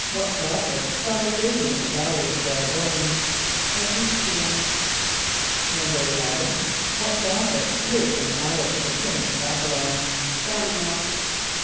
= What prophet saw the vision of the valley of dry bones? =[+E] z[=e]´k[)i] el.= =11.= What prophet lived in the palace of the king of B[)a]b´[)y] lon? =D[)a]n´iel.